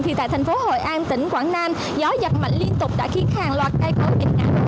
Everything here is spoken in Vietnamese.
thì tại thành phố hội an tỉnh quảng nam gió giật mạnh liên tục đã khiến hàng loạt cây cối ngạt